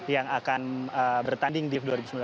yang akan bertanding div dua ribu sembilan belas